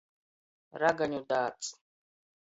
Ragaņu dāds.